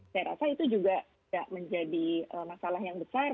saya rasa itu juga tidak menjadi masalah yang besar